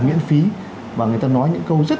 miễn phí và người ta nói những câu rất